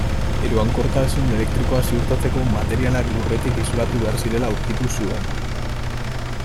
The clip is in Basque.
Eroankortasun elektrikoa ziurtatzeko materialak lurretik isolatu behar zirela aurkitu zuen.